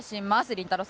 りんたろー。